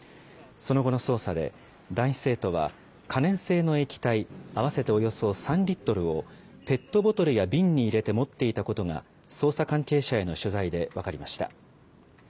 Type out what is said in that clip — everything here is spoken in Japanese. その後の捜査で、男子生徒は可燃性の液体合わせておよそ３リットルを、ペットボトルや瓶に入れて持っていたことが、捜査関係者への取材で分かりました。